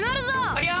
ありゃ？